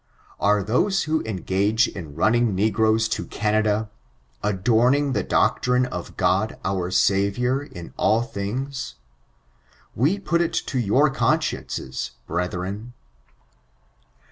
Are diose who engage in runnii^ negroes to Canada, ^ adorning the doctrine of Cvod our SaTiour, in all diings f* We put it to your consciences^ Brethren